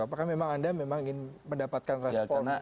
apakah memang anda memang ingin mendapatkan respon